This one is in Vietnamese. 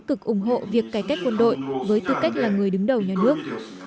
cực ủng hộ việc cải cách quân đội với tư cách là người đứng đầu nhà nước